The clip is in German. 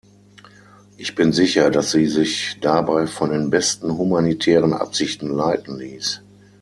Ich bin sicher, dass sie sich dabei von den besten humanitären Absichten leiten ließ.